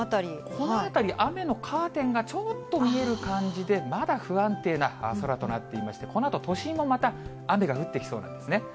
この辺り、雨のカーテンがちょっと見える感じで、まだ不安定な空となっていまして、このあと、都心もまた雨が降ってきそうなんですね。